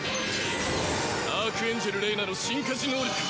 アークエンジェル・レイナの進化時能力